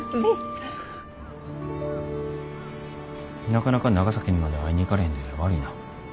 なかなか長崎にまで会いに行かれへんで悪いな。